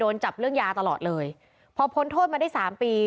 จับเรื่องยาตลอดเลยพอพ้นโทษมาได้สามปี